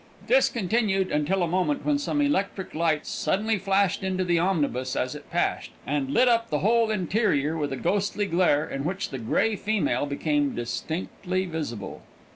This continued until a moment when some electric lights suddenly flashed into the omnibus as it passed, and lit up the whole interior with a ghastly glare, in which the grey female became distinctly visible.